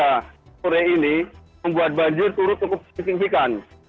pada sore ini membuat banjir turut cukup sesing singkan